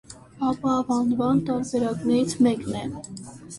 Ապավ անվան տարբերակներից մեկն է։